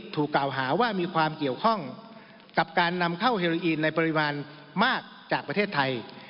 ถูกกล่าวหาว่ามีความเกี่ยวข้องกับการนำเข้าเฮโรอีนในปริมาณมากจากประเทศไทย